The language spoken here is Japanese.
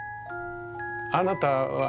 あなたは！？